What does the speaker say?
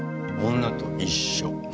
女と一緒。